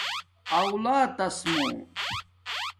آلاتس مُو